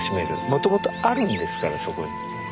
もともとあるんですからそこに。